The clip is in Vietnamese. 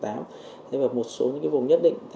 thế và một số những cái vùng nhất định